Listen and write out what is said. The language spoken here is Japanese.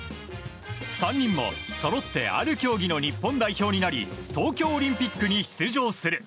３人もそろってある競技の日本代表になり東京オリンピックに出場する。